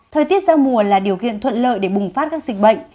thời tiết giao mùa là điều kiện thuận lợi để bùng phát các dịch bệnh